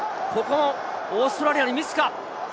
オーストラリアにミスか。